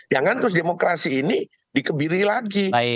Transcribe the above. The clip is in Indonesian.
jangan terus demokrasi ini dikebiri lagi